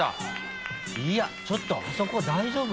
いやちょっとあそこ大丈夫？